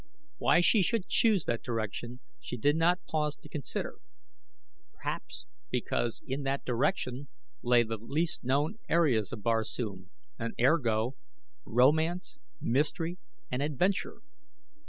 Why she should choose that direction she did not pause to consider. Perhaps because in that direction lay the least known areas of Barsoom, and, ergo, Romance, Mystery, and Adventure.